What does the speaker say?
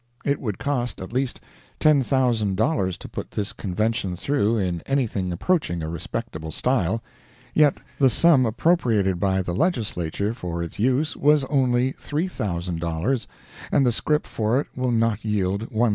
It would cost at least ten thousand dollars to put this Convention through in anything approaching a respectable style; yet the sum appropriated by the Legislature for its use was only $3,000, and the scrip for it will not yield $1,500.